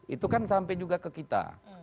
itu kan sampai juga ke kita